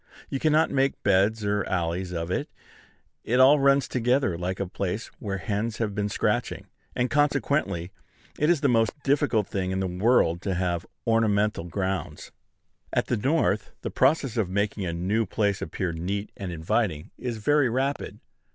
You cannot make beds or alleys of it: it all runs together like a place where hens have been scratching; and consequently it is the most difficult thing in the world to have ornamental grounds. At the North, the process of making a new place appear neat and inviting is very rapid.